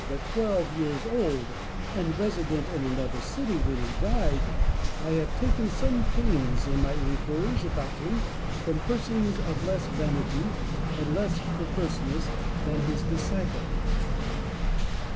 but twelve years old and resident in another city when he died, I have taken some pains in my inquiries about him from persons of less vanity and less perverseness than his disciples.